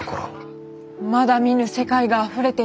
まだ見ぬ世界があふれていますね。